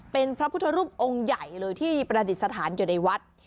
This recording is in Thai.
เป็นพระพุทธรูปองค์ใหญ่เลยที่ประดิษฐานอยู่ในวัด